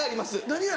何が？